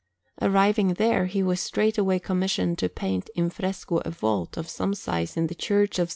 Arriving there, he was straightway commissioned to paint in fresco a vault of some size in the Church of S.